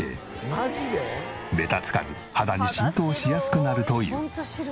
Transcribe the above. ベタつかず肌に浸透しやすくなるという。